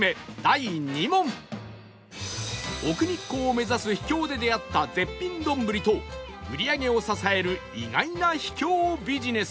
奥日光を目指す秘境で出会った絶品どんぶりと売り上げを支える意外な秘境ビジネス！